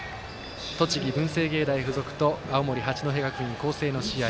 栃木、文星芸大付属と青森、八戸学院光星の試合。